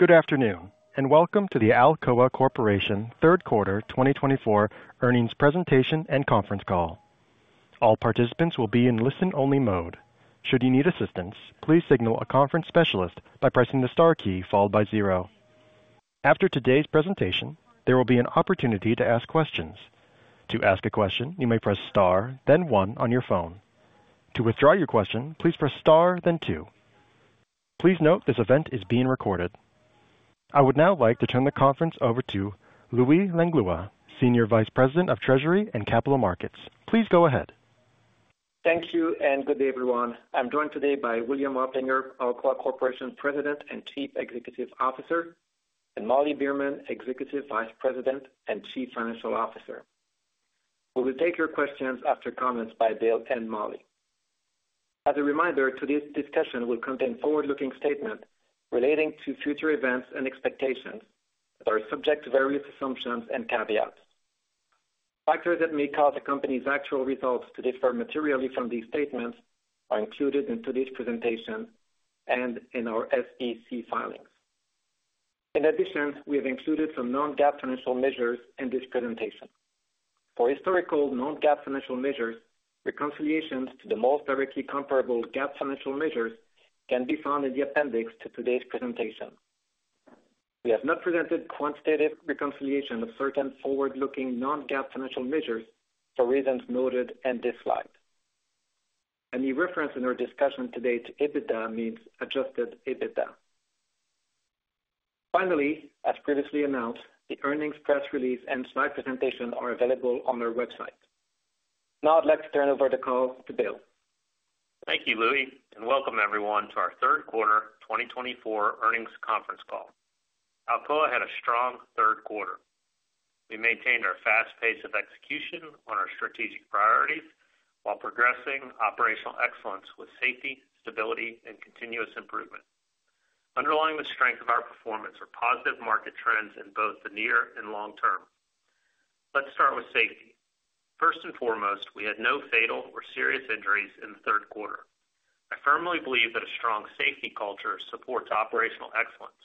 Good afternoon, and welcome to the Alcoa Corporation Third Quarter 2024 Earnings Presentation and Conference Call. All participants will be in listen-only mode. Should you need assistance, please signal a conference specialist by pressing the star key followed by zero. After today's presentation, there will be an opportunity to ask questions. To ask a question, you may press star, then one on your phone. To withdraw your question, please press star then two. Please note, this event is being recorded. I would now like to turn the conference over to Louis Langlois, Senior Vice President of Treasury and Capital Markets. Please go ahead. Thank you, and good day, everyone. I'm joined today by William Oplinger, Alcoa Corporation President and Chief Executive Officer, and Molly Beerman, Executive Vice President and Chief Financial Officer. We will take your questions after comments by Bill and Molly. As a reminder, today's discussion will contain forward-looking statements relating to future events and expectations that are subject to various assumptions and caveats. Factors that may cause the company's actual results to differ materially from these statements are included in today's presentation and in our SEC filings. In addition, we have included some non-GAAP financial measures in this presentation. For historical non-GAAP financial measures, reconciliations to the most directly comparable GAAP financial measures can be found in the appendix to today's presentation. We have not presented quantitative reconciliation of certain forward-looking, non-GAAP financial measures for reasons noted in this slide. Any reference in our discussion today to EBITDA means Adjusted EBITDA. Finally, as previously announced, the earnings press release and slide presentation are available on our website. Now, let's turn over the call to Bill. Thank you, Louis, and welcome everyone to our Third Quarter 2024 Earnings Conference Call. Alcoa had a strong third quarter. We maintained our fast pace of execution on our strategic priorities while progressing operational excellence with safety, stability, and continuous improvement. Underlying the strength of our performance are positive market trends in both the near and long term. Let's start with safety. First and foremost, we had no fatal or serious injuries in the third quarter. I firmly believe that a strong safety culture supports operational excellence.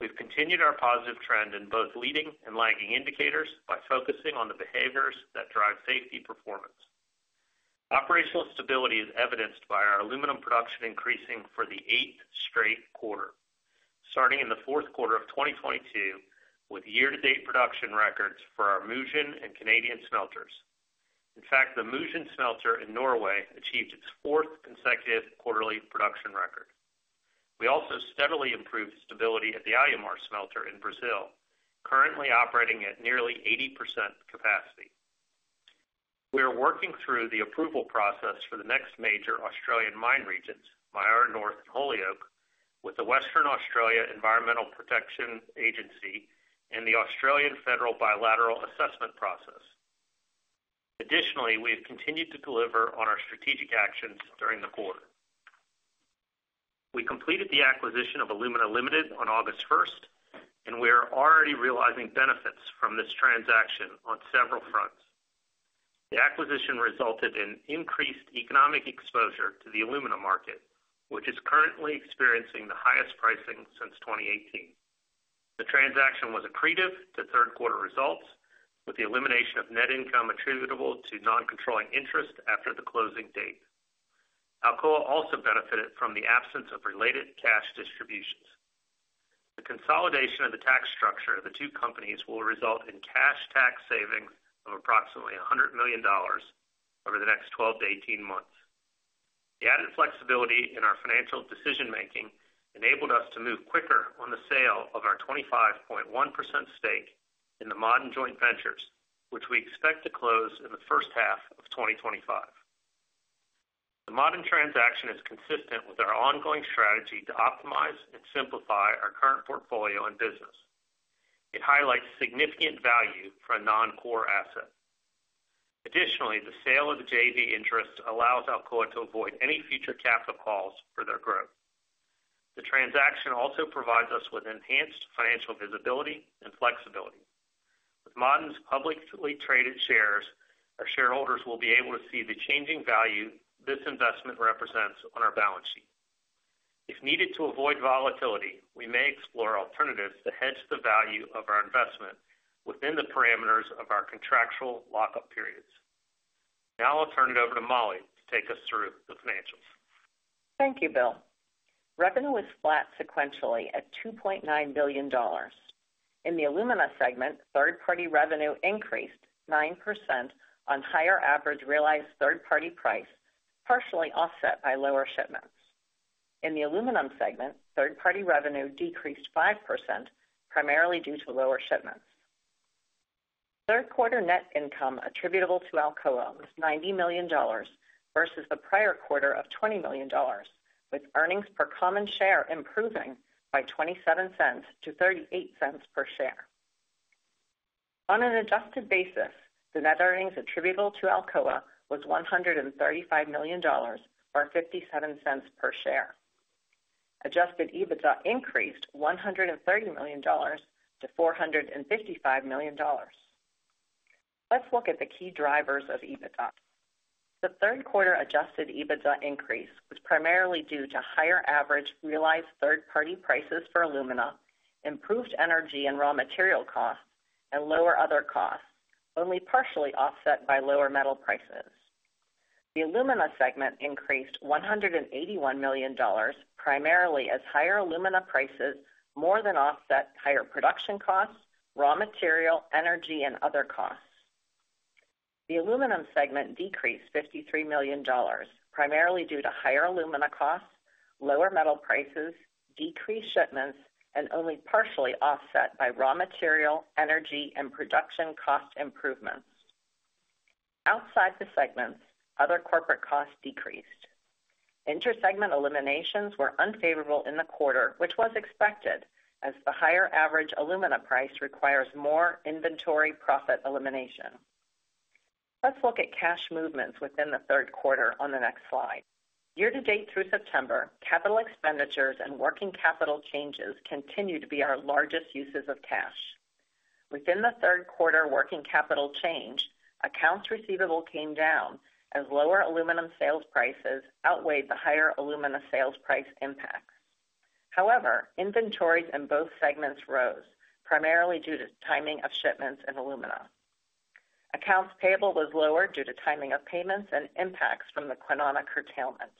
We've continued our positive trend in both leading and lagging indicators by focusing on the behaviors that drive safety performance. Operational stability is evidenced by our aluminum production increasing for the eighth straight quarter, starting in the fourth quarter of 2022, with year-to-date production records for our Mosjøen and Canadian smelters. In fact, the Mosjøen smelter in Norway achieved its fourth consecutive quarterly production record. We also steadily improved stability at the Alumar smelter in Brazil, currently operating at nearly 80% capacity. We are working through the approval process for the next major Australian mine regions, Myara North and Holyoake, with the Western Australia Environmental Protection Agency and the Australian Federal Bilateral Assessment Process. Additionally, we have continued to deliver on our strategic actions during the quarter. We completed the acquisition of Alumina Limited on August first, and we are already realizing benefits from this transaction on several fronts. The acquisition resulted in increased economic exposure to the alumina market, which is currently experiencing the highest pricing since 2018. The transaction was accretive to third quarter results, with the elimination of net income attributable to non-controlling interest after the closing date. Alcoa also benefited from the absence of related cash distributions. The consolidation of the tax structure of the two companies will result in cash tax savings of approximately $100 million over the next 12-18 months. The added flexibility in our financial decision-making enabled us to move quicker on the sale of our 25.1% stake in the Ma'aden joint ventures, which we expect to close in the first half of 2025. The Ma'aden transaction is consistent with our ongoing strategy to optimize and simplify our current portfolio and business. It highlights significant value for a non-core asset. Additionally, the sale of the JV interest allows Alcoa to avoid any future capital calls for their growth. The transaction also provides us with enhanced financial visibility and flexibility. With Ma'aden's publicly traded shares, our shareholders will be able to see the changing value this investment represents on our balance sheet. If needed to avoid volatility, we may explore alternatives to hedge the value of our investment within the parameters of our contractual lockup periods. Now I'll turn it over to Molly to take us through the financials. Thank you, Bill. Revenue was flat sequentially at $2.9 billion. In the Alumina segment, third-party revenue increased 9% on higher average realized third-party price, partially offset by lower shipments. In the Aluminum segment, third-party revenue decreased 5%, primarily due to lower shipments. Third quarter net income attributable to Alcoa was $90 million versus the prior quarter of $20 million, with earnings per common share improving by $0.27-$0.38 per share. On an adjusted basis, the net earnings attributable to Alcoa was $135 million, or $0.57 per share. Adjusted EBITDA increased $130 million to $455 million. Let's look at the key drivers of EBITDA. The third quarter Adjusted EBITDA increase was primarily due to higher average realized third-party prices for alumina, improved energy and raw material costs, and lower other costs, only partially offset by lower metal prices. The Alumina segment increased $181 million, primarily as higher alumina prices more than offset higher production costs, raw material, energy, and other costs. The Aluminum segment decreased $53 million, primarily due to higher alumina costs, lower metal prices, decreased shipments, and only partially offset by raw material, energy, and production cost improvements. Outside the segments, other corporate costs decreased. Inter-segment eliminations were unfavorable in the quarter, which was expected, as the higher average alumina price requires more inventory profit elimination. Let's look at cash movements within the third quarter on the next slide. Year to date through September, capital expenditures and working capital changes continue to be our largest uses of cash. Within the third quarter working capital change, accounts receivable came down as lower aluminum sales prices outweighed the higher alumina sales price impact. However, inventories in both segments rose, primarily due to timing of shipments in alumina. Accounts payable was lower due to timing of payments and impacts from the Kwinana curtailment.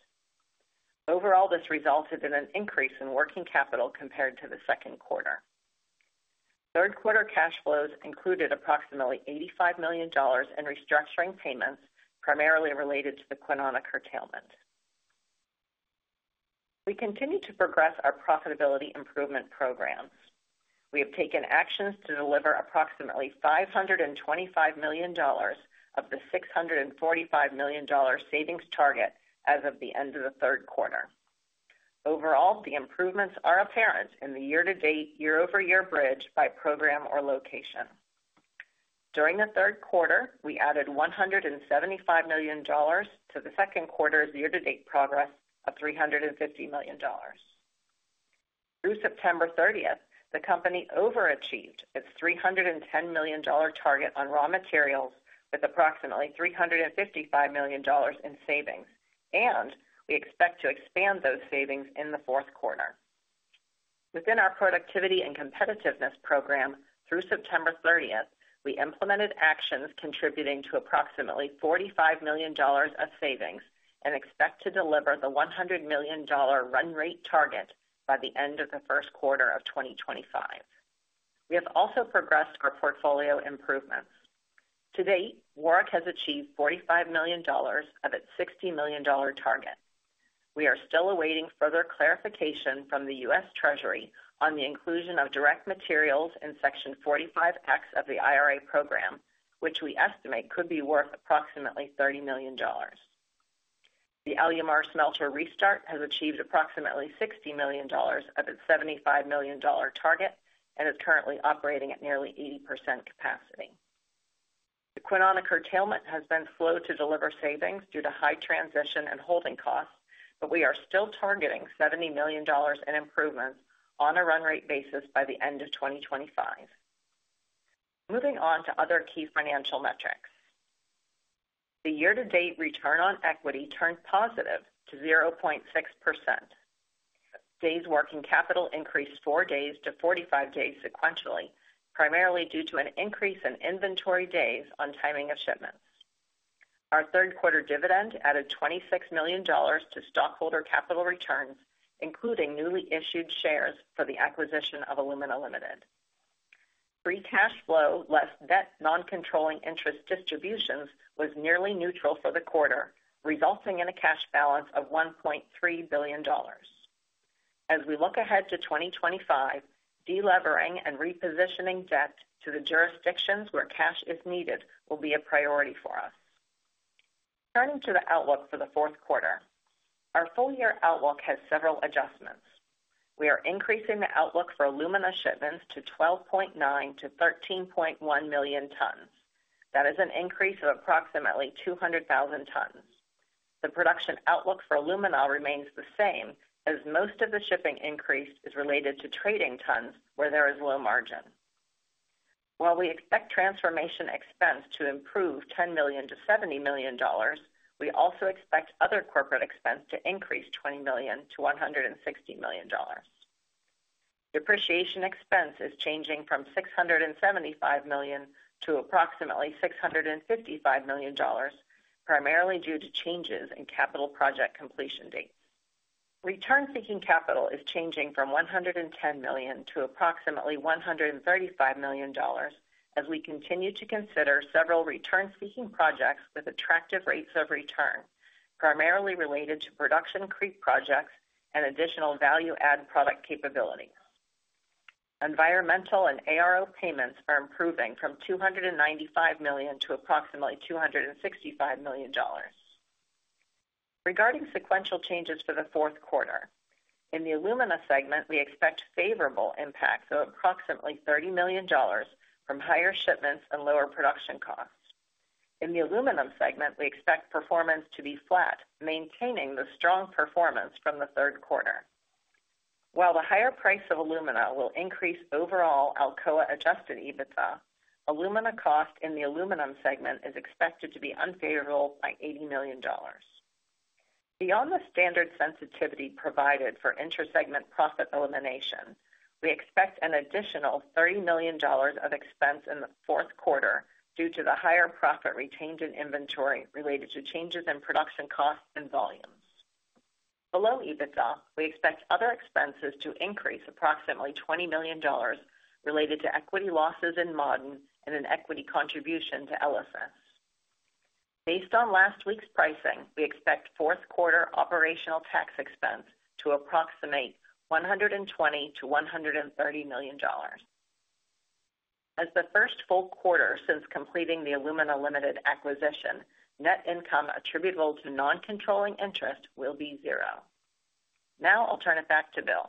Overall, this resulted in an increase in working capital compared to the second quarter. Third quarter cash flows included approximately $85 million in restructuring payments, primarily related to the Kwinana curtailment. We continue to progress our profitability improvement programs. We have taken actions to deliver approximately $525 million of the $645 million savings target as of the end of the third quarter. Overall, the improvements are apparent in the year-to-date, year-over-year bridge by program or location. During the third quarter, we added $175 million to the second quarter's year-to-date progress of $350 million. Through September 30th, the company overachieved its $310 million target on raw materials, with approximately $355 million in savings, and we expect to expand those savings in the fourth quarter. Within our productivity and competitiveness program, through September 30th, we implemented actions contributing to approximately $45 million of savings and expect to deliver the $100 million run rate target by the end of the first quarter of 2025. We have also progressed our portfolio improvements. To date, Warrick has achieved $45 million of its $60 million target. We are still awaiting further clarification from the U.S. Treasury on the inclusion of direct materials in Section 45X of the IRA program, which we estimate could be worth approximately $30 million. The Alumar smelter restart has achieved approximately $60 million of its $75 million target and is currently operating at nearly 80% capacity. The Kwinana curtailment has been slow to deliver savings due to high transition and holding costs, but we are still targeting $70 million in improvements on a run rate basis by the end of 2025. Moving on to other key financial metrics. The year-to-date return on equity turned positive to 0.6%. Days working capital increased four days to 45 days sequentially, primarily due to an increase in inventory days on timing of shipments. Our third quarter dividend added $26 million to stockholder capital returns, including newly issued shares for the acquisition of Alumina Limited. Free cash flow, less debt, non-controlling interest distributions, was nearly neutral for the quarter, resulting in a cash balance of $1.3 billion. As we look ahead to 2025, delevering and repositioning debt to the jurisdictions where cash is needed will be a priority for us. Turning to the outlook for the fourth quarter. Our full-year outlook has several adjustments. We are increasing the outlook for alumina shipments to 12.9 million-13.1 million tons. That is an increase of approximately 200,000 tons. The production outlook for alumina remains the same, as most of the shipping increase is related to trading tons, where there is low margin. While we expect transformation expense to improve $10 million-$70 million, we also expect other corporate expense to increase $20 million-$160 million. Depreciation expense is changing from $675 million to approximately $655 million, primarily due to changes in capital project completion dates. Return-seeking capital is changing from $110 million to approximately $135 million, as we continue to consider several return-seeking projects with attractive rates of return, primarily related to production creep projects and additional value-add product capabilities. Environmental and ARO payments are improving from $295 million to approximately $265 million. Regarding sequential changes for the fourth quarter, in the Alumina segment, we expect favorable impacts of approximately $30 million from higher shipments and lower production costs. In the Aluminum segment, we expect performance to be flat, maintaining the strong performance from the third quarter. While the higher price of alumina will increase overall Alcoa Adjusted EBITDA, alumina cost in the Aluminum segment is expected to be unfavorable by $80 million. Beyond the standard sensitivity provided for inter-segment profit elimination, we expect an additional $30 million of expense in the fourth quarter due to the higher profit retained in inventory related to changes in production costs and volumes. Below EBITDA, we expect other expenses to increase approximately $20 million related to equity losses in Ma'aden and an equity contribution to ELYSIS. Based on last week's pricing, we expect fourth quarter operational tax expense to approximate $120 million-$130 million. As the first full quarter since completing the Alumina Limited acquisition, net income attributable to non-controlling interest will be zero. Now I'll turn it back to Bill.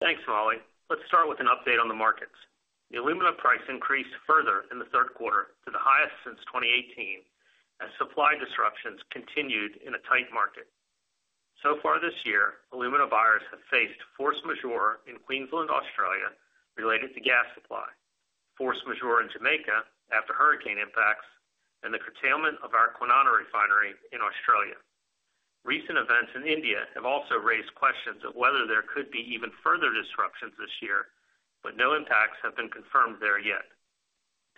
Thanks, Molly. Let's start with an update on the markets. The alumina price increased further in the third quarter to the highest since 2018, as supply disruptions continued in a tight market. So far this year, alumina buyers have faced force majeure in Queensland, Australia, related to gas supply, force majeure in Jamaica after hurricane impacts, and the curtailment of our Kwinana refinery in Australia. Recent events in India have also raised questions of whether there could be even further disruptions this year, but no impacts have been confirmed there yet.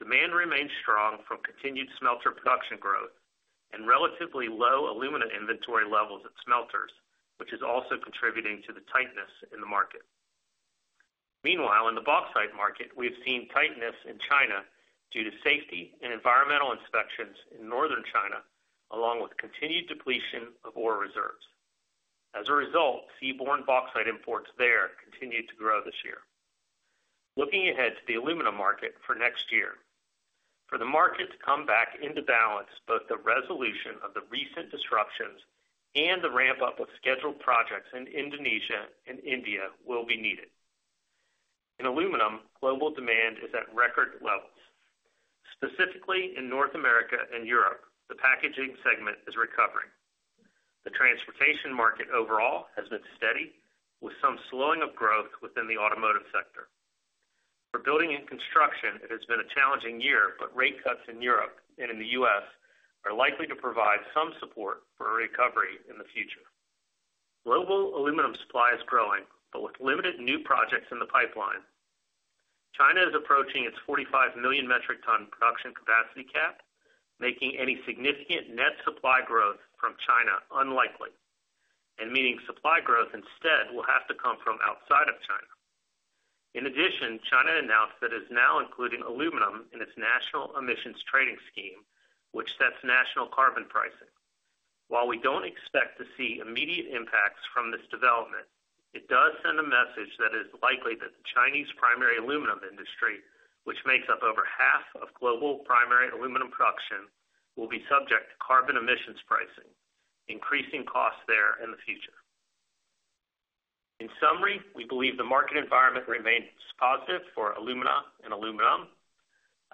Demand remains strong from continued smelter production growth and relatively low alumina inventory levels at smelters, which is also contributing to the tightness in the market. Meanwhile, in the bauxite market, we've seen tightness in China due to safety and environmental inspections in northern China, along with continued depletion of ore reserves. As a result, seaborne bauxite imports there continued to grow this year. Looking ahead to the alumina market for next year, for the market to come back into balance, both the resolution of the recent disruptions and the ramp-up of scheduled projects in Indonesia and India will be needed. In aluminum, global demand is at record levels. Specifically in North America and Europe, the packaging segment is recovering. The transportation market overall has been steady, with some slowing of growth within the automotive sector. For building and construction, it has been a challenging year, but rate cuts in Europe and in the U.S. are likely to provide some support for a recovery in the future. Global aluminum supply is growing, but with limited new projects in the pipeline. China is approaching its 45 million metric tons production capacity cap, making any significant net supply growth from China unlikely, and meaning supply growth instead will have to come from outside of China. In addition, China announced that it is now including aluminum in its national Emissions Trading Scheme, which sets national carbon pricing. While we don't expect to see immediate impacts from this development, it does send a message that it's likely that the Chinese primary aluminum industry, which makes up over half of global primary aluminum production, will be subject to carbon emissions pricing, increasing costs there in the future. In summary, we believe the market environment remains positive for alumina and aluminum.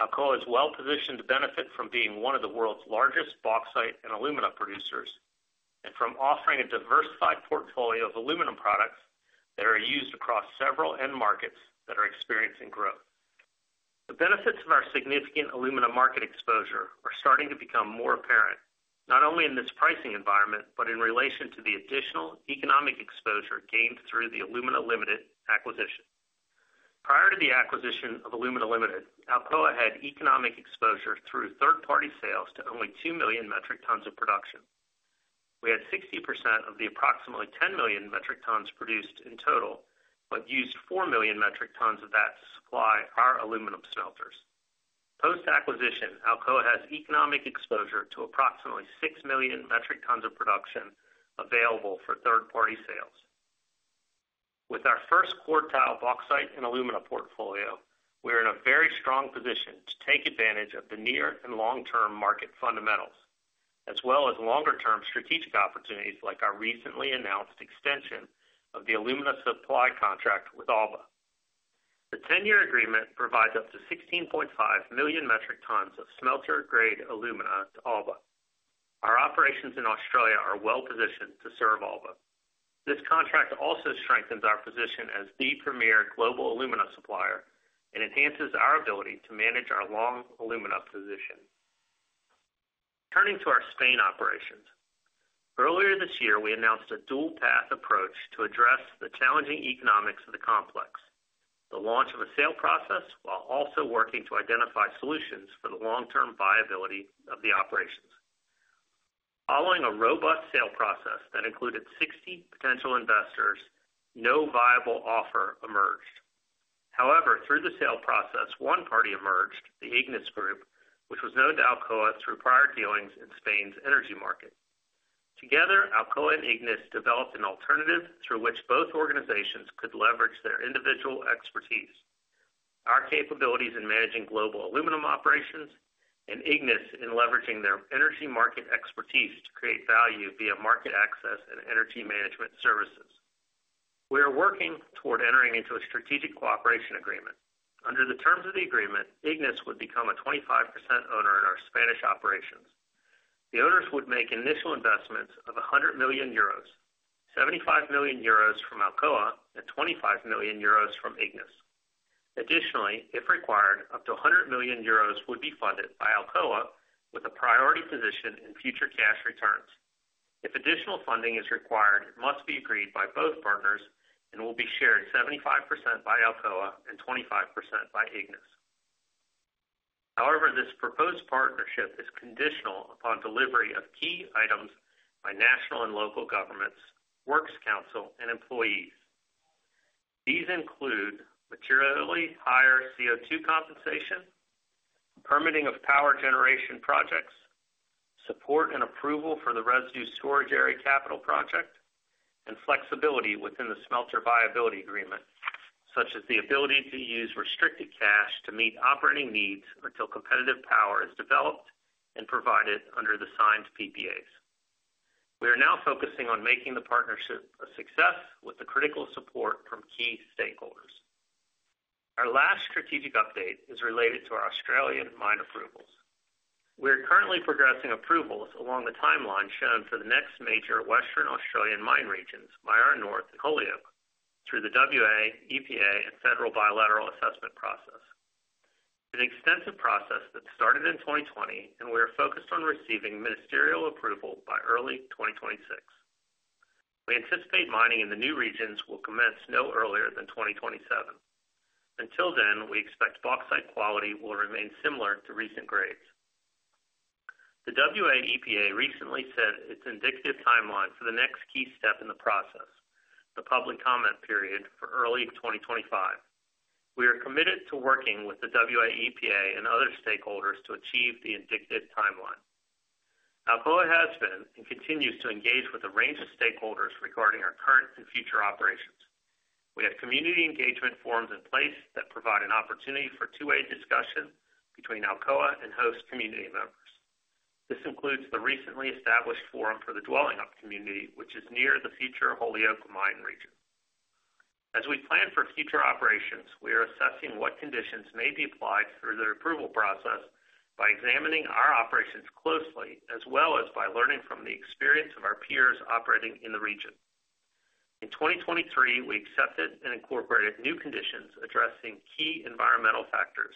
Alcoa is well-positioned to benefit from being one of the world's largest bauxite and alumina producers, and from offering a diversified portfolio of aluminum products that are used across several end markets that are experiencing growth. The benefits of our significant alumina market exposure are starting to become more apparent, not only in this pricing environment, but in relation to the additional economic exposure gained through the Alumina Limited acquisition. Prior to the acquisition of Alumina Limited, Alcoa had economic exposure through third-party sales to only 2 million metric tons of production. We had 60% of the approximately 10 million metric tons produced in total, but used 4 million metric tons of that to supply our aluminum smelters. Post-acquisition, Alcoa has economic exposure to approximately 6 million metric tons of production available for third-party sales. With our first quartile bauxite and alumina portfolio, we are in a very strong position to take advantage of the near and long-term market fundamentals, as well as longer-term strategic opportunities like our recently announced extension of the alumina supply contract with Alba. The 10-year agreement provides up to 16.5 million metric tons of smelter-grade alumina to Alba. Our operations in Australia are well-positioned to serve Alba. This contract also strengthens our position as the premier global alumina supplier and enhances our ability to manage our long alumina position. Turning to our Spain operations. Earlier this year, we announced a dual path approach to address the challenging economics of the complex, the launch of a sale process, while also working to identify solutions for the long-term viability of the operations. Following a robust sale process that included 60 potential investors, no viable offer emerged. However, through the sale process, one party emerged, the IGNIS Group, which was known to Alcoa through prior dealings in Spain's energy market. Together, Alcoa and IGNIS developed an alternative through which both organizations could leverage their individual expertise, our capabilities in managing global aluminum operations, and IGNIS in leveraging their energy market expertise to create value via market access and energy management services. We are working toward entering into a strategic cooperation agreement. Under the terms of the agreement, IGNIS would become a 25% owner in our Spanish operations. The owners would make initial investments of 100 million euros, 75 million euros from Alcoa and 25 million euros from IGNIS. Additionally, if required, up to 100 million euros would be funded by Alcoa with a priority position in future cash returns. If additional funding is required, it must be agreed by both partners and will be shared 75% by Alcoa and 25% by IGNIS. However, this proposed partnership is conditional upon delivery of key items by national and local governments, works council, and employees. These include materially higher CO₂ compensation, permitting of power generation projects, support and approval for the residue storage area capital project, and flexibility within the smelter viability agreement, such as the ability to use restricted cash to meet operating needs until competitive power is developed and provided under the signed PPAs. We are now focusing on making the partnership a success with the critical support from key stakeholders. Our last strategic update is related to our Australian mine approvals. We are currently progressing approvals along the timeline shown for the next major Western Australian mine regions, Myara North and Holyoake, through the WA EPA and Federal bilateral assessment process. It's an extensive process that started in 2020, and we are focused on receiving ministerial approval by early 2026. We anticipate mining in the new regions will commence no earlier than 2027. Until then, we expect bauxite quality will remain similar to recent grades. The WA EPA recently set its indicative timeline for the next key step in the process, the public comment period for early 2025. We are committed to working with the WA EPA and other stakeholders to achieve the indicative timeline. Alcoa has been and continues to engage with a range of stakeholders regarding our current and future operations. We have community engagement forums in place that provide an opportunity for two-way discussion between Alcoa and host community members. This includes the recently established forum for the Dwellingup community, which is near the future Holyoake mine region. As we plan for future operations, we are assessing what conditions may be applied through the approval process by examining our operations closely, as well as by learning from the experience of our peers operating in the region. In 2023, we accepted and incorporated new conditions addressing key environmental factors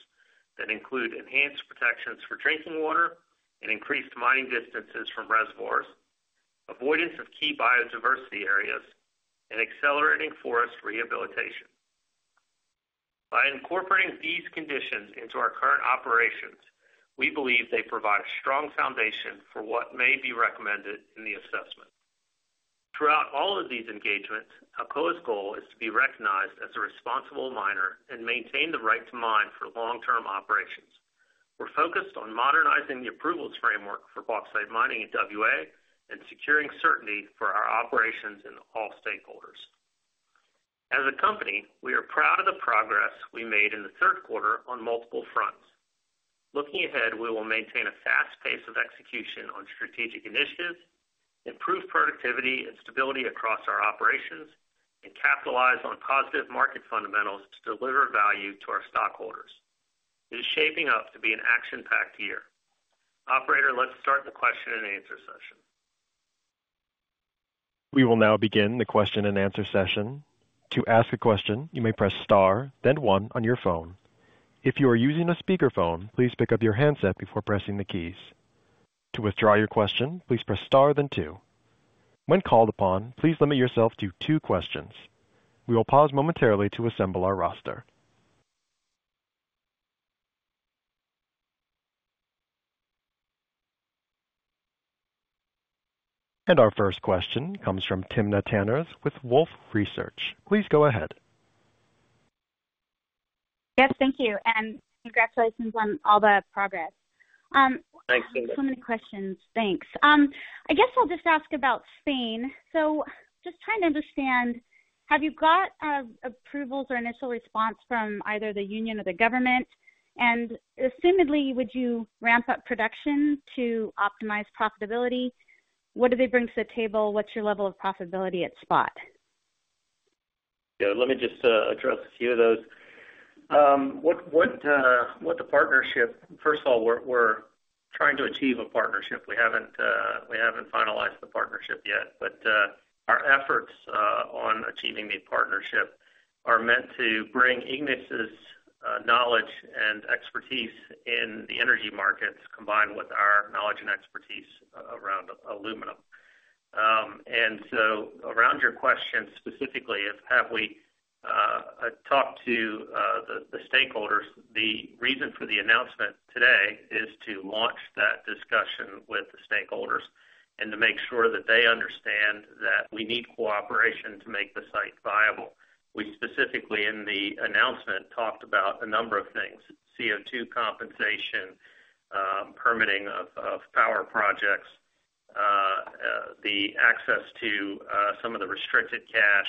that include enhanced protections for drinking water and increased mining distances from reservoirs, avoidance of key biodiversity areas, and accelerating forest rehabilitation. By incorporating these conditions into our current operations, we believe they provide a strong foundation for what may be recommended in the assessment. Throughout all of these engagements, Alcoa's goal is to be recognized as a responsible miner and maintain the right to mine for long-term operations. We're focused on modernizing the approvals framework for bauxite mining in WA and securing certainty for our operations and all stakeholders. As a company, we are proud of the progress we made in the third quarter on multiple fronts. Looking ahead, we will maintain a fast pace of execution on strategic initiatives, improve productivity and stability across our operations, and capitalize on positive market fundamentals to deliver value to our stockholders. It is shaping up to be an action-packed year. Operator, let's start the question and answer session. We will now begin the question-and-answer session. To ask a question, you may press star, then one on your phone. If you are using a speakerphone, please pick up your handset before pressing the keys. To withdraw your question, please press star then two. When called upon, please limit yourself to two questions. We will pause momentarily to assemble our roster, and our first question comes from Timna Tanners with Wolfe Research. Please go ahead. Yes, thank you, and congratulations on all the progress. Thanks. So many questions. Thanks. I guess I'll just ask about Spain. So just trying to understand, have you got approvals or initial response from either the union or the government? And assumedly, would you ramp up production to optimize profitability? What do they bring to the table? What's your level of profitability at spot? Yeah, let me just, address a few of those. What, what, the partnership. First of all, we're trying to achieve a partnership. We haven't finalized the partnership yet, but our efforts on achieving the partnership are meant to bring IGNIS's knowledge and expertise in the energy markets, combined with our knowledge and expertise around aluminum. And so around your question, specifically, is have we talked to the stakeholders? The reason for the announcement today is to launch that discussion with the stakeholders and to make sure that they understand that we need cooperation to make the site viable. We specifically, in the announcement, talked about a number of things: CO₂ compensation, permitting of power projects, the access to some of the restricted cash.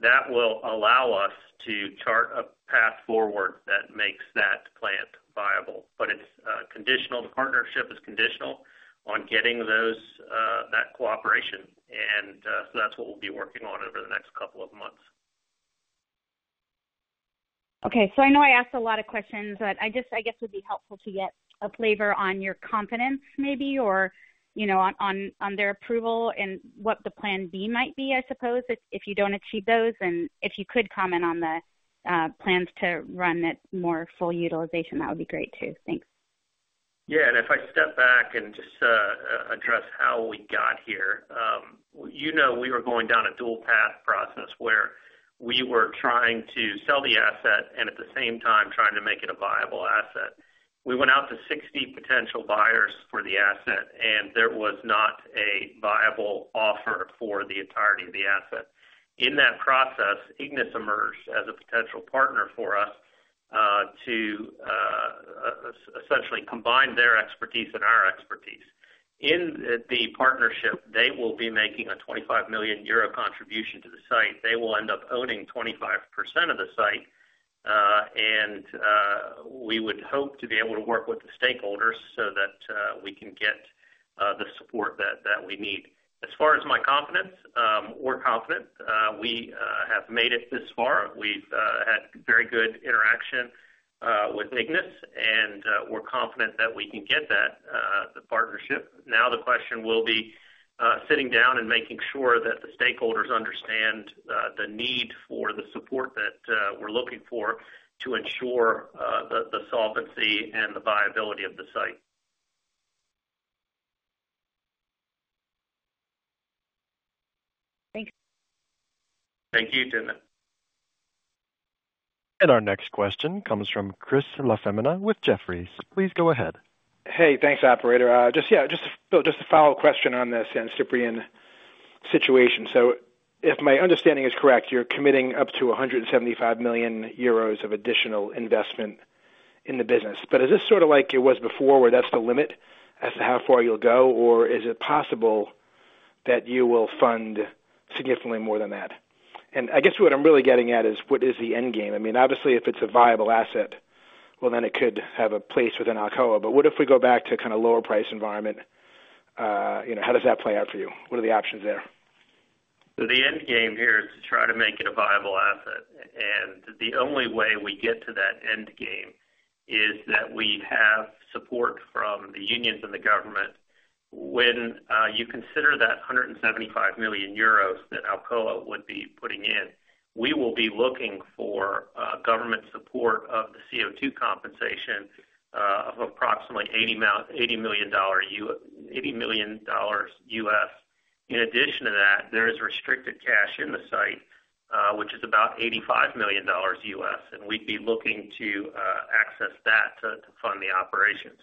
That will allow us to chart a path forward that makes that plant viable. But it's conditional. The partnership is conditional on getting that cooperation, and so that's what we'll be working on over the next couple of months. ... Okay, so I know I asked a lot of questions, but I just, I guess, it would be helpful to get a flavor on your confidence maybe, or, you know, on their approval and what the plan B might be, I suppose, if, if you don't achieve those, and if you could comment on the plans to run at more full utilization, that would be great, too. Thanks. Yeah, and if I step back and just address how we got here. You know, we were going down a dual path process where we were trying to sell the asset and at the same time trying to make it a viable asset. We went out to 60 potential buyers for the asset, and there was not a viable offer for the entirety of the asset. In that process, IGNIS emerged as a potential partner for us, to essentially combine their expertise and our expertise. In the partnership, they will be making a 25 million euro contribution to the site. They will end up owning 25% of the site, and we would hope to be able to work with the stakeholders so that we can get the support that we need. As far as my confidence, we're confident. We have made it this far. We've had very good interaction with IGNIS, and we're confident that we can get that the partnership. Now, the question will be sitting down and making sure that the stakeholders understand the need for the support that we're looking for to ensure the solvency and the viability of the site. Thanks. Thank you, Tina. Our next question comes from Chris LaFemina with Jefferies. Please go ahead. Hey, thanks, operator. Just a follow-up question on the San Ciprián situation. So if my understanding is correct, you're committing up to 175 million euros of additional investment in the business. But is this sort of like it was before, where that's the limit as to how far you'll go, or is it possible that you will fund significantly more than that? And I guess what I'm really getting at is, what is the end game? I mean, obviously, if it's a viable asset, well, then it could have a place within Alcoa. But what if we go back to kind of lower price environment, you know, how does that play out for you? What are the options there? So the end game here is to try to make it a viable asset, and the only way we get to that end game is that we have support from the unions and the government. When you consider that 175 million euros that Alcoa would be putting in, we will be looking for government support of the CO₂ compensation of approximately $80 million. In addition to that, there is restricted cash in the site which is about $85 million, and we'd be looking to access that to fund the operations.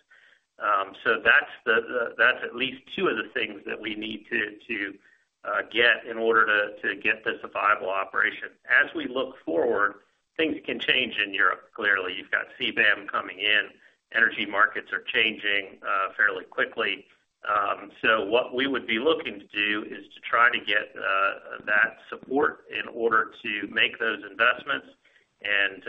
So that's at least two of the things that we need to get in order to get this a viable operation. As we look forward, things can change in Europe. Clearly, you've got CBAM coming in. Energy markets are changing fairly quickly, so what we would be looking to do is to try to get that support in order to make those investments and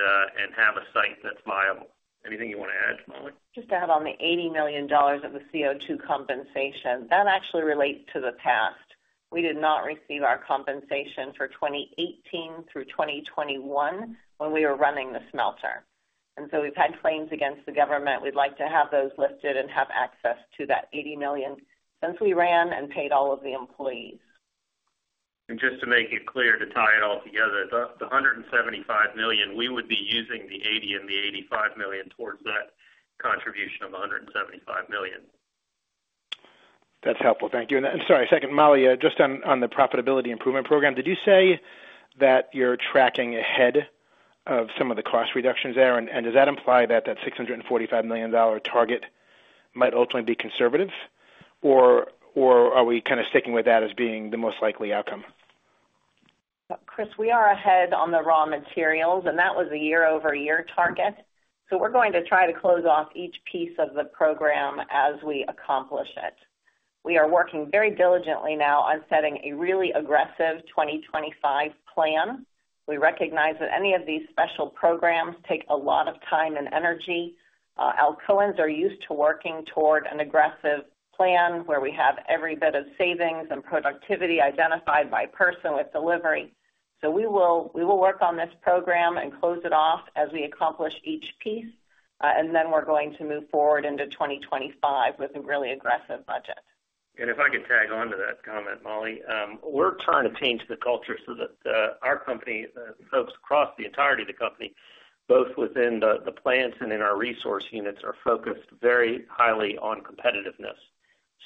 have a site that's viable. Anything you want to add, Molly? Just to add on the $80 million of the CO₂ compensation, that actually relates to the past. We did not receive our compensation for 2018 through 2021 when we were running the smelter, and so we've had claims against the government. We'd like to have those lifted and have access to that $80 million since we ran and paid all of the employees. Just to make it clear, to tie it all together, the 175 million, we would be using the $80 million and the $85 million towards that contribution of 175 million. That's helpful. Thank you. And sorry, second, Molly, just on the profitability improvement program, did you say that you're tracking ahead of some of the cost reductions there? And does that imply that the $645 million target might ultimately be conservative, or are we kind of sticking with that as being the most likely outcome? Chris, we are ahead on the raw materials, and that was a year-over-year target, so we're going to try to close off each piece of the program as we accomplish it. We are working very diligently now on setting a really aggressive 2025 plan. We recognize that any of these special programs take a lot of time and energy. Alcoans are used to working toward an aggressive plan, where we have every bit of savings and productivity identified by person with delivery. So we will, we will work on this program and close it off as we accomplish each piece, and then we're going to move forward into 2025 with a really aggressive budget. And if I could tag on to that comment, Molly. We're trying to change the culture so that our company folks across the entirety of the company, both within the plants and in our resource units, are focused very highly on competitiveness.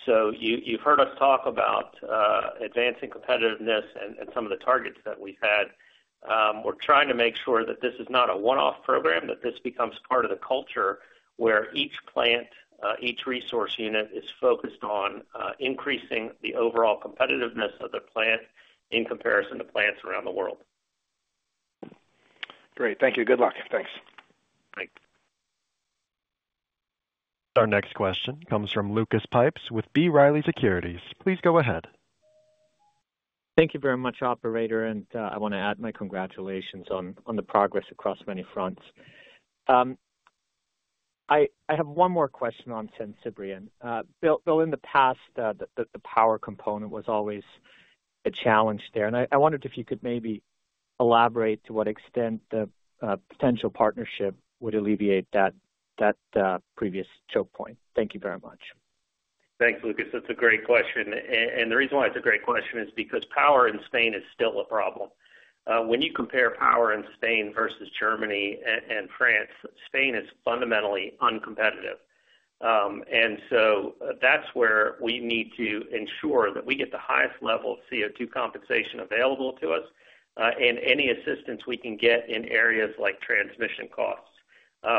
So you, you've heard us talk about advancing competitiveness and some of the targets that we've had. We're trying to make sure that this is not a one-off program, that this becomes part of the culture where each plant, each resource unit is focused on increasing the overall competitiveness of the plant in comparison to plants around the world. Great. Thank you. Good luck. Thanks. Thanks. Our next question comes from Lucas Pipes with B. Riley Securities. Please go ahead. Thank you very much, operator, and I want to add my congratulations on the progress across many fronts.... I have one more question on San Ciprián. Bill, in the past, the power component was always a challenge there, and I wondered if you could maybe elaborate to what extent the potential partnership would alleviate that previous choke point? Thank you very much. Thanks, Lucas. That's a great question, and the reason why it's a great question is because power in Spain is still a problem. When you compare power in Spain versus Germany and France, Spain is fundamentally uncompetitive. And so that's where we need to ensure that we get the highest level of CO₂ compensation available to us, and any assistance we can get in areas like transmission costs.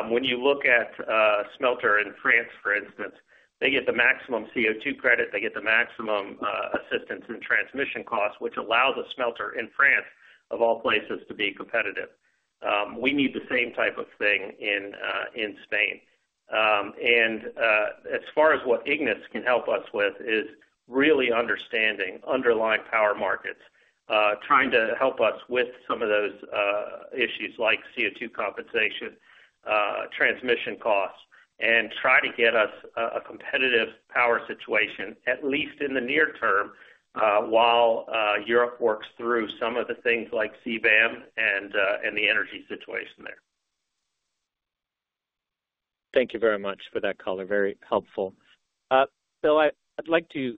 When you look at a smelter in France, for instance, they get the maximum CO₂ credit, they get the maximum assistance in transmission costs, which allows a smelter in France, of all places, to be competitive. We need the same type of thing in Spain. And as far as what IGNIS can help us with is really understanding underlying power markets, trying to help us with some of those issues like CO₂ compensation, transmission costs, and try to get us a competitive power situation, at least in the near term, while Europe works through some of the things like CBAM and the energy situation there. Thank you very much for that color. Very helpful. Bill, I'd like to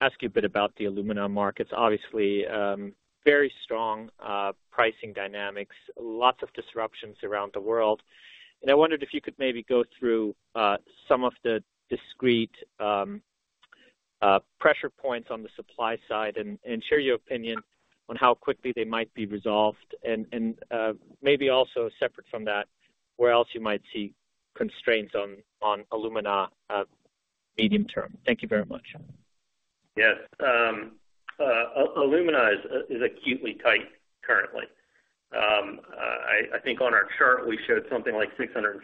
ask you a bit about the alumina markets. Obviously, very strong pricing dynamics, lots of disruptions around the world. And I wondered if you could maybe go through some of the discrete pressure points on the supply side and share your opinion on how quickly they might be resolved. And maybe also separate from that, where else you might see constraints on alumina medium term. Thank you very much. Yes. Alumina is acutely tight currently. I think on our chart, we showed something like $650.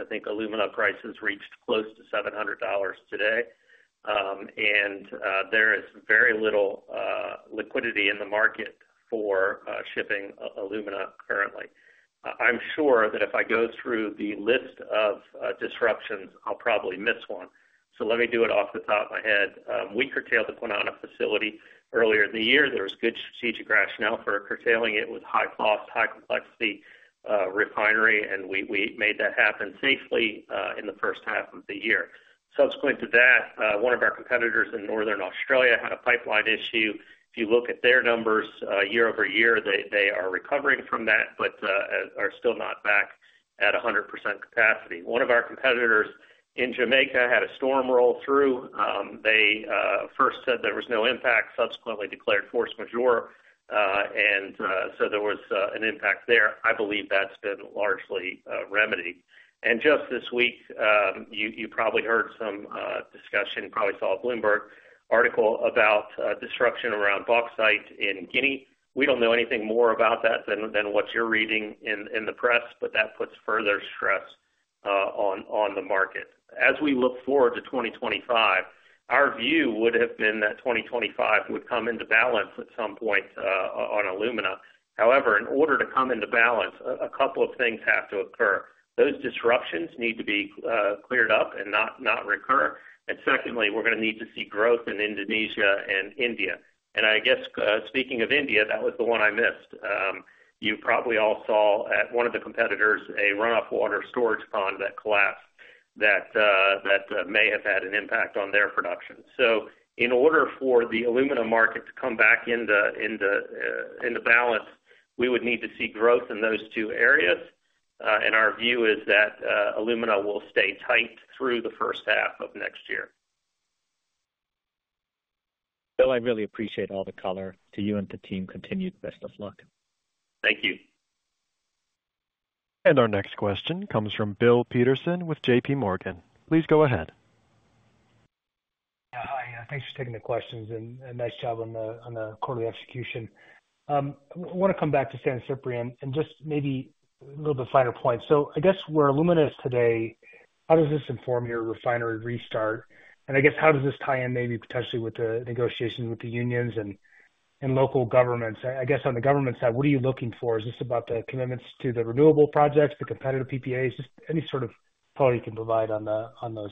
I think alumina prices reached close to $700 today. And there is very little liquidity in the market for shipping alumina currently. I'm sure that if I go through the list of disruptions, I'll probably miss one, so let me do it off the top of my head. We curtailed the Kwinana facility earlier in the year. There was good strategic rationale for curtailing it. It was high cost, high complexity refinery, and we made that happen safely in the first half of the year. Subsequent to that, one of our competitors in Northern Australia had a pipeline issue. If you look at their numbers, year over year, they are recovering from that, but are still not back at 100% capacity. One of our competitors in Jamaica had a storm roll through. They first said there was no impact, subsequently declared force majeure, and so there was an impact there. I believe that's been largely remedied. And just this week, you probably heard some discussion, probably saw a Bloomberg article about disruption around bauxite in Guinea. We don't know anything more about that than what you're reading in the press, but that puts further stress on the market. As we look forward to 2025, our view would have been that 2025 would come into balance at some point on alumina. However, in order to come into balance, a couple of things have to occur. Those disruptions need to be cleared up and not recur. And secondly, we're gonna need to see growth in Indonesia and India. And I guess, speaking of India, that was the one I missed. You probably all saw at one of the competitors, a runoff water storage pond that collapsed, that may have had an impact on their production. So in order for the alumina market to come back in the balance, we would need to see growth in those two areas. And our view is that alumina will stay tight through the first half of next year. Bill, I really appreciate all the color. To you and the team, continued best of luck. Thank you. Our next question comes from Bill Peterson with JPMorgan. Please go ahead. Hi, thanks for taking the questions, and nice job on the quarterly execution. Wanna come back to San Ciprián, and just maybe a little bit finer point. So I guess where alumina is today, how does this inform your refinery restart? And I guess, how does this tie in, maybe potentially with the negotiations with the unions and local governments? I guess on the government side, what are you looking for? Is this about the commitments to the renewable projects, the competitive PPAs? Just any sort of thought you can provide on those.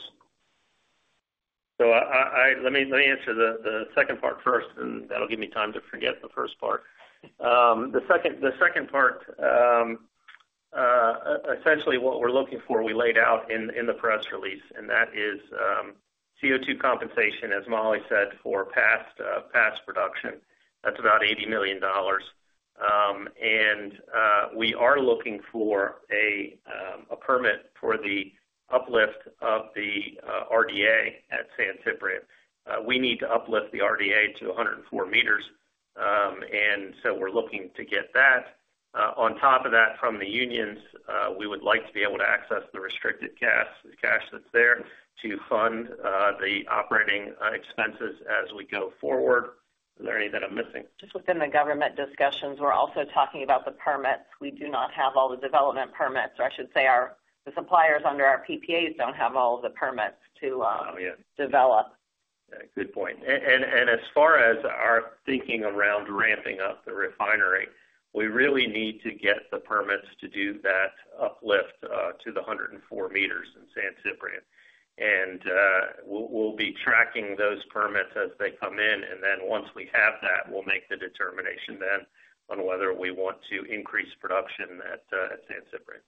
So let me answer the second part first, and that'll give me time to forget the first part. The second part essentially what we're looking for, we laid out in the press release, and that is CO₂ compensation, as Molly said, for past production. That's about $80 million. And we are looking for a permit for the uplift of the RDA at San Ciprián. We need to uplift the RDA to 104 m, and so we're looking to get that. On top of that, from the unions, we would like to be able to access the restricted cash, the cash that's there, to fund the operating expenses as we go forward. Is there any that I'm missing? Just within the government discussions, we're also talking about the permits. We do not have all the development permits, or I should say, the suppliers under our PPAs don't have all the permits to, Oh, yeah. -develop.... Good point. And as far as our thinking around ramping up the refinery, we really need to get the permits to do that uplift to the 104 m in San Ciprián. And we'll be tracking those permits as they come in, and then once we have that, we'll make the determination then on whether we want to increase production at San Ciprián.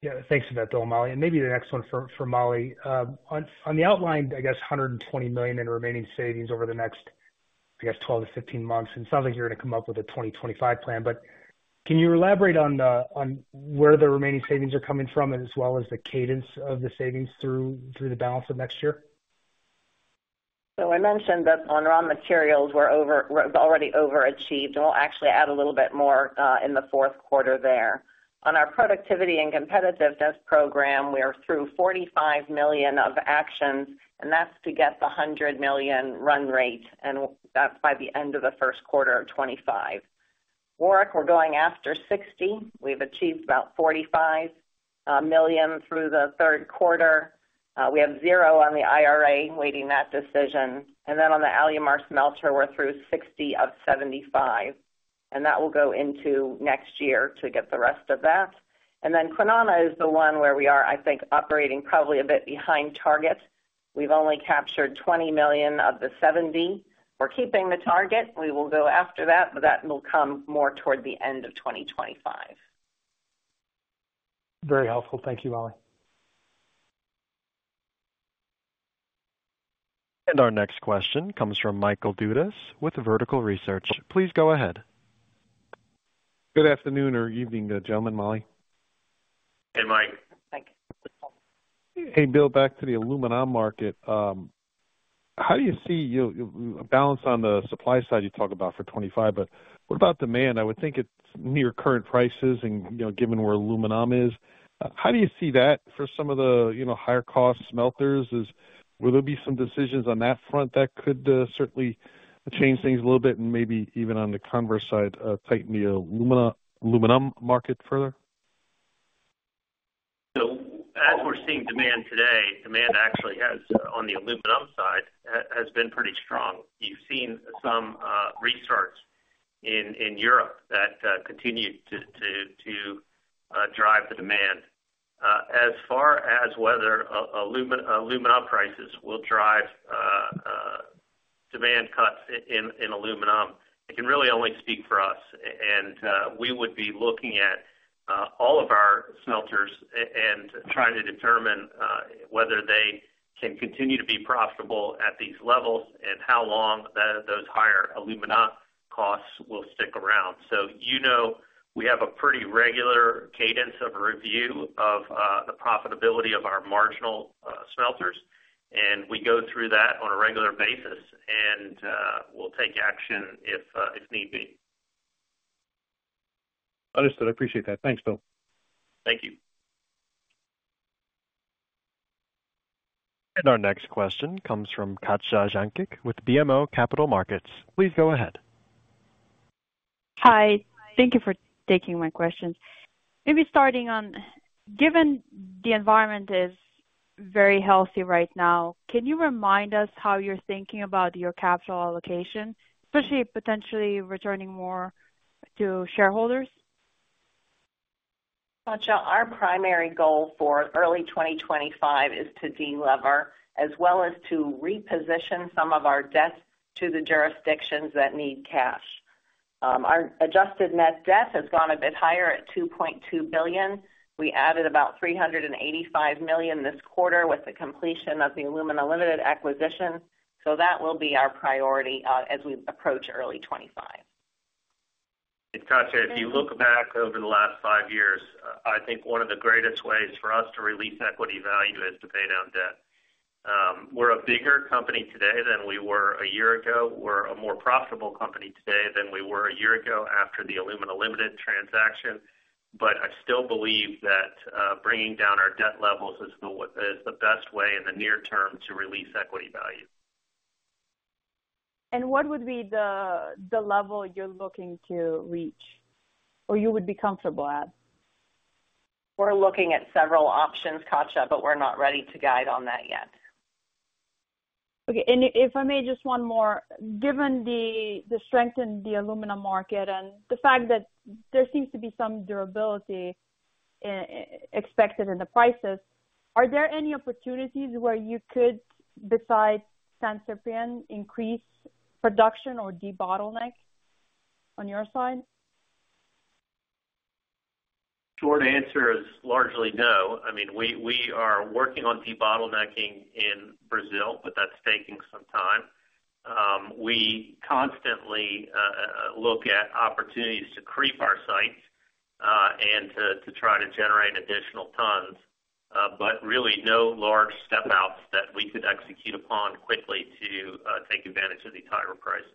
Yeah, thanks for that, Bill, Molly. And maybe the next one for Molly. On the outlined, I guess, $120 million in remaining savings over the next, I guess, 12-15 months, it sounds like you're going to come up with a 2025 plan. But can you elaborate on where the remaining savings are coming from, as well as the cadence of the savings through the balance of next year? I mentioned that on raw materials, we're already overachieved, and we'll actually add a little bit more in the fourth quarter there. On our productivity and competitiveness program, we are through $45 million of actions, and that's to get the $100 million run rate, and that's by the end of the first quarter of 2025. Warrick, we're going after $60 million. We've achieved about $45 million through the third quarter. We have $0 on the IRA, awaiting that decision. On the Alumar smelter, we're through $60 million of $75 million, and that will go into next year to get the rest of that. Kwinana is the one where we are, I think, operating probably a bit behind target. We've only captured $20 million of the $70 million. We're keeping the target. We will go after that, but that will come more toward the end of 2025. Very helpful. Thank you, Molly. And our next question comes from Michael Dudas with Vertical Research. Please go ahead. Good afternoon or evening, gentlemen, Molly. Hey, Mike. Mike. Hey, Bill, back to the alumina market. How do you see the balance on the supply side you talk about for twenty-five, but what about demand? I would think it's near current prices and, you know, given where alumina is, how do you see that for some of the, you know, higher cost smelters? Will there be some decisions on that front that could certainly change things a little bit and maybe even on the converse side, tighten the alumina, aluminum market further? As we're seeing demand today, demand actually has, on the aluminum side, has been pretty strong. You've seen some restarts in Europe that continue to drive the demand. As far as whether alumina prices will drive demand cuts in aluminum, it can really only speak for us, and we would be looking at all of our smelters and trying to determine whether they can continue to be profitable at these levels and how long those higher alumina costs will stick around. You know, we have a pretty regular cadence of review of the profitability of our marginal smelters, and we go through that on a regular basis, and we'll take action if need be. Understood. I appreciate that. Thanks, Bill. Thank you. Our next question comes from Katja Jancic with BMO Capital Markets. Please go ahead. Hi, thank you for taking my questions. Maybe starting on, given the environment is very healthy right now, can you remind us how you're thinking about your capital allocation, especially potentially returning more to shareholders? Katja, our primary goal for early 2025 is to de-lever, as well as to reposition some of our debts to the jurisdictions that need cash. Our adjusted net debt has gone a bit higher at $2.2 billion. We added about $385 million this quarter with the completion of the Alumina Limited acquisition, so that will be our priority as we approach early 2025. Katja, if you look back over the last five years, I think one of the greatest ways for us to release equity value is to pay down debt. We're a bigger company today than we were a year ago. We're a more profitable company today than we were a year ago after the Alumina Limited transaction. But I still believe that, bringing down our debt levels is the best way in the near term to release equity value. And what would be the level you're looking to reach or you would be comfortable at? We're looking at several options, Katja, but we're not ready to guide on that yet. Okay, and if I may, just one more. Given the strength in the aluminum market and the fact that there seems to be some durability expected in the prices, are there any opportunities where you could, besides San Ciprián, increase production or debottleneck on your side? Short answer is largely no. I mean, we are working on debottlenecking in Brazil, but that's taking some time. We constantly look at opportunities to creep our sites and to try to generate additional tons, but really no large step outs that we could execute upon quickly to take advantage of the higher prices.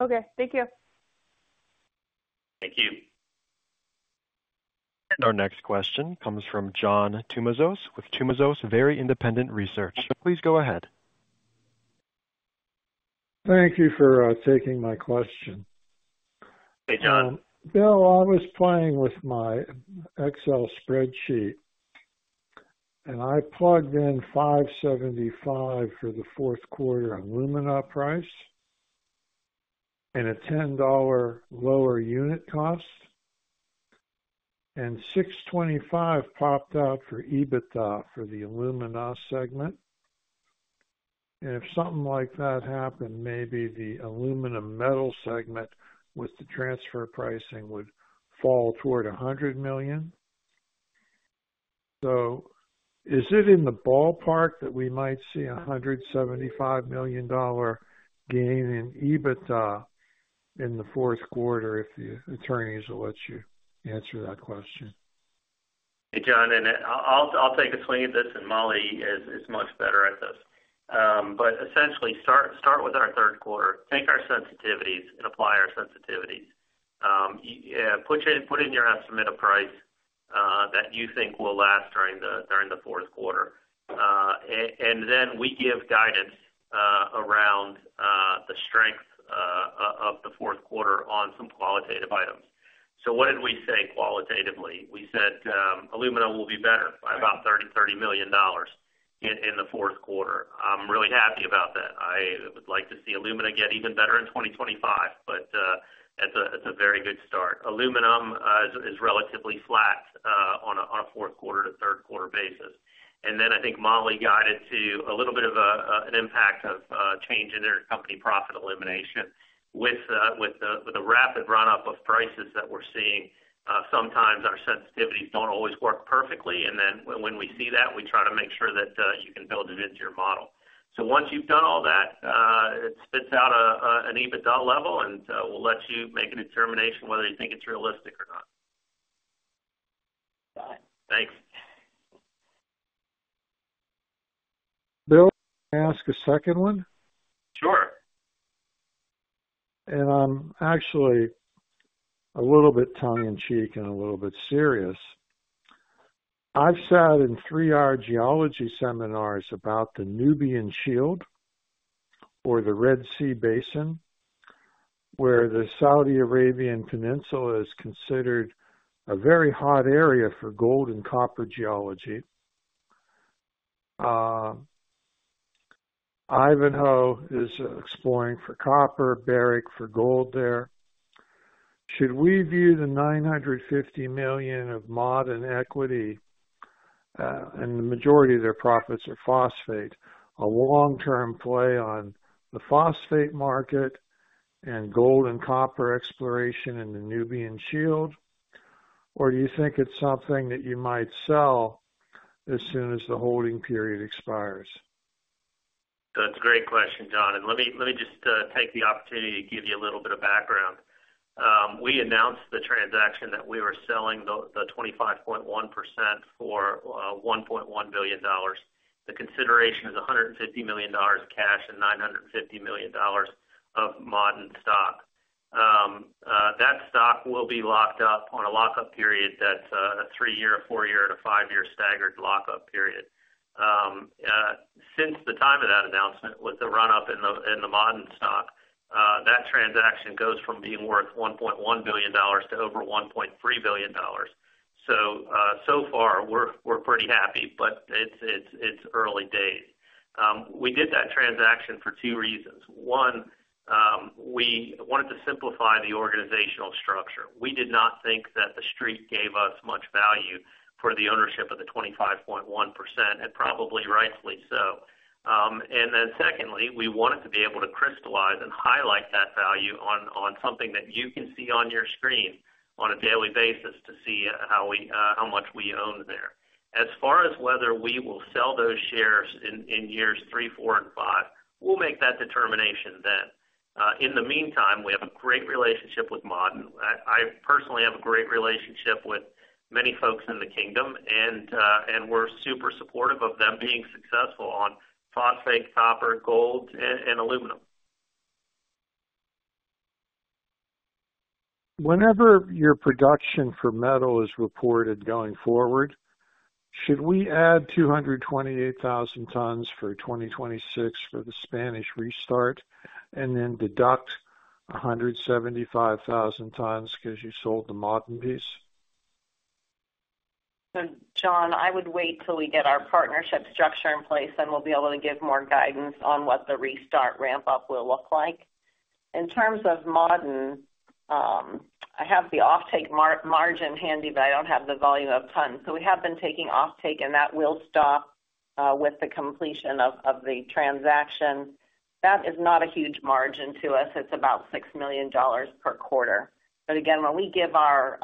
Okay. Thank you. Thank you. Our next question comes from John Tumazos with Tumazos Very Independent Research. Please go ahead.... Thank you for taking my question. Hey, John. Bill, I was playing with my Excel spreadsheet, and I plugged in $575 for the fourth quarter on alumina price, and a $10 lower unit cost, and $625 popped out for EBITDA for the Alumina segment. And if something like that happened, maybe the Aluminum metal segment with the transfer pricing would fall toward $100 million. So is it in the ballpark that we might see a $175 million gain in EBITDA in the fourth quarter, if the attorneys will let you answer that question? Hey, John, and I'll take a swing at this, and Molly is much better at this. But essentially, start with our third quarter, take our sensitivities and apply our sensitivities. Put in your estimated price that you think will last during the fourth quarter. And then we give guidance around the strength of the fourth quarter on some qualitative items. So what did we say qualitatively? We said, alumina will be better by about $30 million in the fourth quarter. I'm really happy about that. I would like to see alumina get even better in 2025, but it's a very good start. Aluminum is relatively flat on a fourth quarter to third quarter basis. Then I think Molly guided to a little bit of an impact of change in intercompany profit elimination. With the rapid run-up of prices that we're seeing, sometimes our sensitivities don't always work perfectly, and then when we see that, we try to make sure that you can build it into your model. So once you've done all that, it spits out an EBITDA level, and we'll let you make a determination whether you think it's realistic or not. Got it. Thanks. Bill, may I ask a second one? Sure. And I'm actually a little bit tongue in cheek and a little bit serious. I've sat in three-hour geology seminars about the Nubian Shield or the Red Sea Basin, where the Saudi Arabian Peninsula is considered a very hot area for gold and copper geology. Ivanhoe is exploring for copper, Barrick for gold there. Should we view the $950 million of Ma'aden equity, and the majority of their profits are phosphate, a long-term play on the phosphate market and gold and copper exploration in the Nubian Shield? Or do you think it's something that you might sell as soon as the holding period expires? That's a great question, John, and take the opportunity to give you a little bit of background. We announced the transaction that we were selling the 25.1% for $1.1 billion. The consideration is $150 million cash and $950 million of Ma'aden stock. That stock will be locked up on a lockup period that's a three-year, a four-year, and a five-year staggered lock-up period. Since the time of that announcement, with the run-up in the Ma'aden stock, that transaction goes from being worth $1.1 billion to over $1.3 billion. So, so far, we're pretty happy, but it's early days. We did that transaction for two reasons. One, we wanted to simplify the organizational structure. We did not think that the Street gave us much value for the ownership of the 25.1%, and probably rightfully so, and then secondly, we wanted to be able to crystallize and highlight that value on something that you can see on your screen on a daily basis to see how much we own there. As far as whether we will sell those shares in years three, four, and five, we'll make that determination then. In the meantime, we have a great relationship with Ma'aden. I personally have a great relationship with many folks in the Kingdom, and we're super supportive of them being successful on phosphate, copper, gold, and aluminum. Whenever your production for metal is reported going forward, should we add two hundred and twenty-eight thousand tons for 2026 for the Spanish restart, and then deduct a hundred and seventy-five thousand tons because you sold the Ma'aden piece? John, I would wait till we get our partnership structure in place, then we'll be able to give more guidance on what the restart ramp-up will look like. In terms of Ma'aden, I have the offtake margin handy, but I don't have the volume of tons. We have been taking offtake, and that will stop with the completion of the transaction. That is not a huge margin to us. It's about $6 million per quarter. But again, when we give our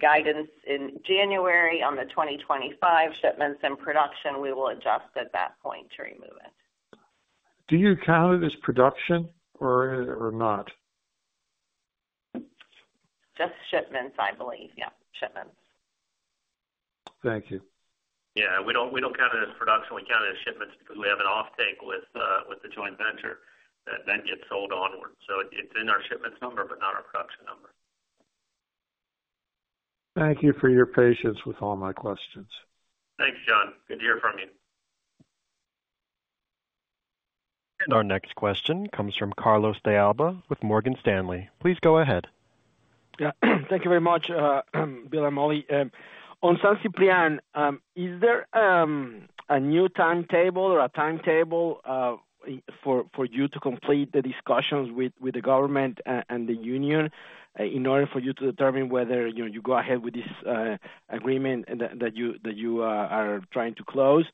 guidance in January on the 2025 shipments and production, we will adjust at that point to remove it. Do you count it as production or not? Just shipments, I believe. Yeah, shipments. Thank you. Yeah, we don't, we don't count it as production. We count it as shipments because we have an offtake with, with the joint venture that then gets sold onward. So it's in our shipments number, but not our production number. ...Thank you for your patience with all my questions. Thanks, John. Good to hear from you. Our next question comes from Carlos De Alba with Morgan Stanley. Please go ahead. Yeah. Thank you very much, Bill and Molly. On San Ciprián, is there a new timetable or a timetable for you to complete the discussions with the government and the union, in order for you to determine whether, you know, you go ahead with this agreement that you are trying to close?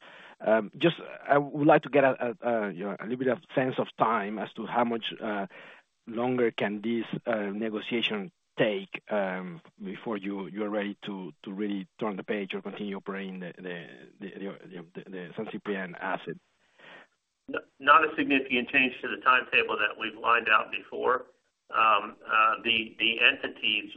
Just, I would like to get a you know, a little bit of sense of time as to how much longer can this negotiation take before you are ready to really turn the page or continue operating the San Ciprián asset? Not a significant change to the timetable that we've lined out before. The entities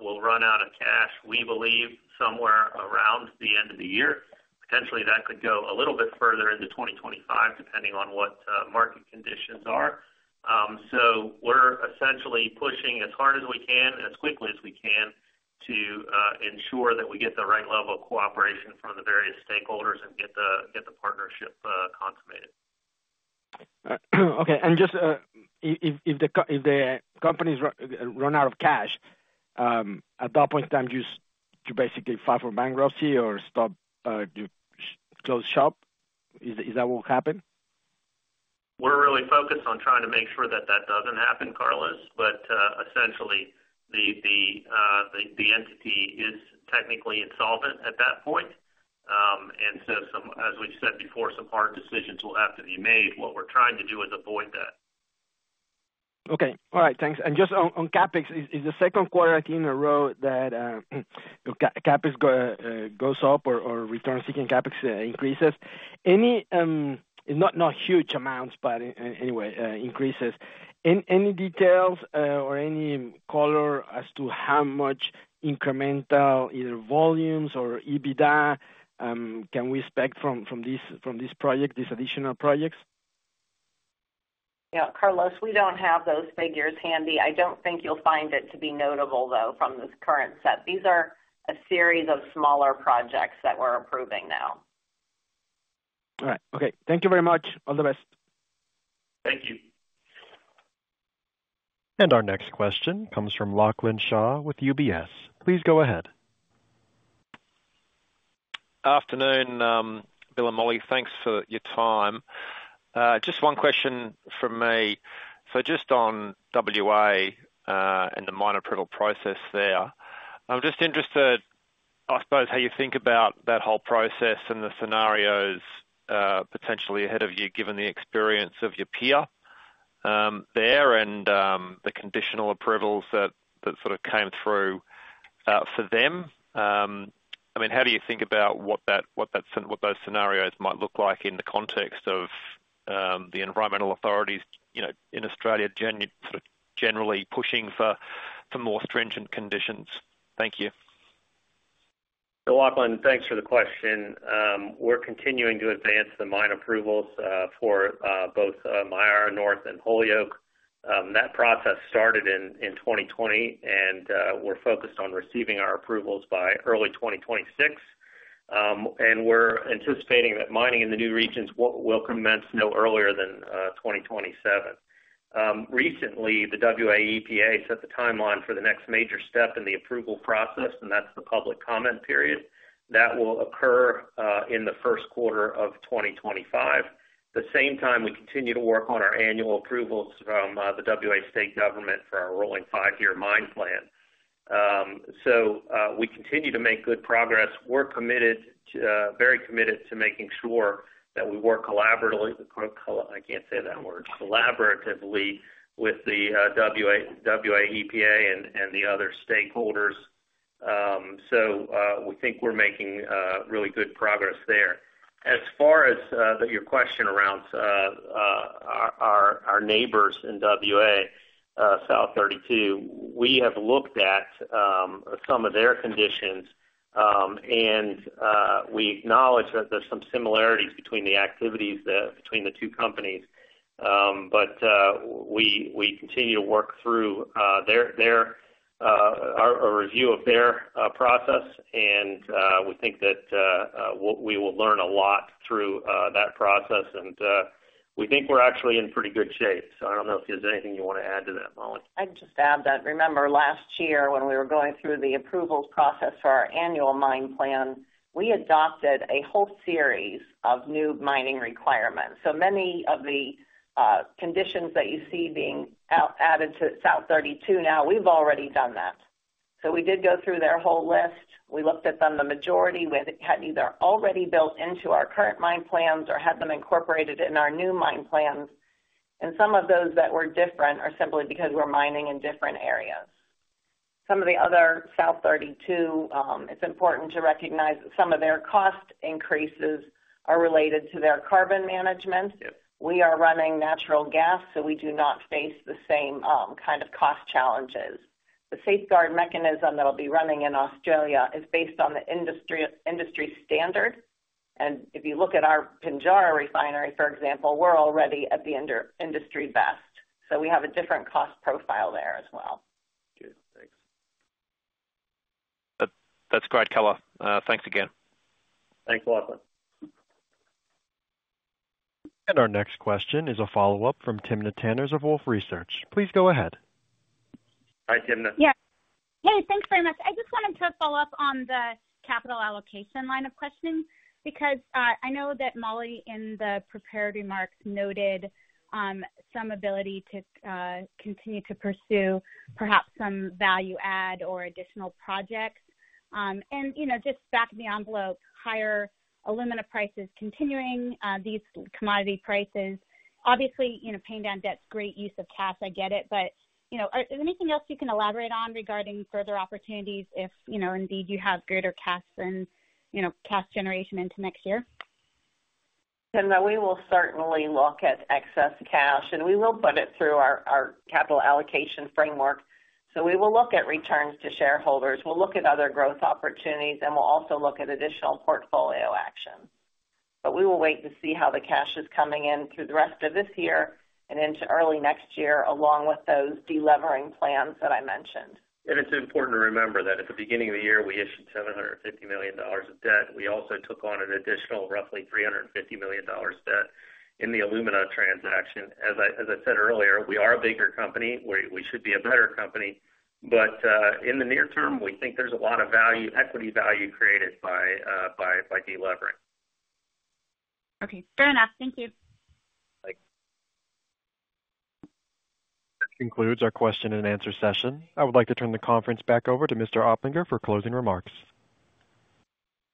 will run out of cash, we believe, somewhere around the end of the year. Potentially, that could go a little bit further into 2025, depending on what market conditions are. We're essentially pushing as hard as we can and as quickly as we can to ensure that we get the right level of cooperation from the various stakeholders and get the partnership consummated. Okay. And just, if the companies run out of cash at that point in time, do you basically file for bankruptcy or stop, close shop? Is that what will happen? We're really focused on trying to make sure that that doesn't happen, Carlos. But, essentially, the entity is technically insolvent at that point. And so, as we've said before, some hard decisions will have to be made. What we're trying to do is avoid that. Okay. All right. Thanks. And just on CapEx, is the second quarter in a row that CapEx goes up or return-seeking CapEx increases. Any, not huge amounts, but anyway, increases. Any details or any color as to how much incremental, either volumes or EBITDA, can we expect from this project, these additional projects? Yeah, Carlos, we don't have those figures handy. I don't think you'll find it to be notable, though, from this current set. These are a series of smaller projects that we're approving now. All right. Okay. Thank you very much. All the best. Thank you. Our next question comes from Lachlan Shaw with UBS. Please go ahead. Afternoon, Bill and Molly, thanks for your time. Just one question from me. So just on WA, and the mine approval process there, I'm just interested, I suppose, how you think about that whole process and the scenarios, potentially ahead of you, given the experience of your peer, there and, the conditional approvals that sort of came through, for them. I mean, how do you think about what that, what those scenarios might look like in the context of, the environmental authorities, you know, in Australia, sort of generally pushing for, more stringent conditions? Thank you. So, Lachlan, thanks for the question. We're continuing to advance the mine approvals for both Myara North and Holyoake. That process started in 2020, and we're focused on receiving our approvals by early 2026. And we're anticipating that mining in the new regions will commence no earlier than 2027. Recently, the WA EPA set the timeline for the next major step in the approval process, and that's the public comment period. That will occur in the first quarter of 2025. At the same time, we continue to work on our annual approvals from the WA state government for our rolling five-year mine plan. So, we continue to make good progress. We're committed to very committed to making sure that we work collaboratively. I can't say that word, collaboratively with the WA EPA and the other stakeholders. So we think we're making really good progress there. As far as your question around our neighbors in WA, South32, we have looked at some of their conditions and we acknowledge that there's some similarities between the activities between the two companies. But we continue to work through their review of their process and we think that we will learn a lot through that process. And we think we're actually in pretty good shape. So I don't know if there's anything you want to add to that, Molly. I'd just add that, remember last year, when we were going through the approvals process for our annual mine plan, we adopted a whole series of new mining requirements. So many of the conditions that you see being added to South32 now, we've already done that. So we did go through their whole list. We looked at them, the majority we had had either already built into our current mine plans or had them incorporated in our new mine plans. And some of those that were different are simply because we're mining in different areas. Some of the other South32, it's important to recognize that some of their cost increases are related to their carbon management. We are running natural gas, so we do not face the same kind of cost challenges. The Safeguard Mechanism that'll be running in Australia is based on the industry standard, and if you look at our Pinjarra refinery, for example, we're already at the industry best, so we have a different cost profile there as well. Good. Thanks. That, that's great color. Thanks again. Thanks a lot. Our next question is a follow-up from Timna Tanners of Wolfe Research. Please go ahead. Hi, Timna. Yes. Hey, thanks very much. I just wanted to follow up on the capital allocation line of questioning, because I know that Molly, in the prepared remarks, noted some ability to continue to pursue perhaps some value add or additional projects, and, you know, just back of the envelope, higher alumina prices continuing, these commodity prices. Obviously, you know, paying down debt, great use of cash, I get it, but, you know, is there anything else you can elaborate on regarding further opportunities if, you know, indeed you have greater cash and, you know, cash generation into next year? We will certainly look at excess cash, and we will put it through our capital allocation framework. We will look at returns to shareholders. We will look at other growth opportunities, and we will also look at additional portfolio actions. We will wait to see how the cash is coming in through the rest of this year and into early next year, along with those deleveraging plans that I mentioned. It's important to remember that at the beginning of the year, we issued $750 million of debt. We also took on an additional roughly $350 million debt in the Alumina transaction. As I said earlier, we are a bigger company. We should be a better company. But in the near term, we think there's a lot of value, equity value created by de-levering. Okay, fair enough. Thank you. Bye. That concludes our question and answer session. I would like to turn the conference back over to Mr. Oplinger for closing remarks.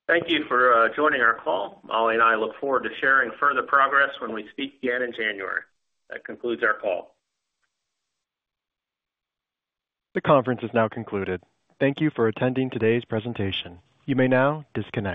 Thank you for joining our call. Molly and I look forward to sharing further progress when we speak again in January. That concludes our call. The conference is now concluded. Thank you for attending today's presentation. You may now disconnect.